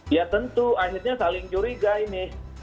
ya tentu akhirnya saling curiga ini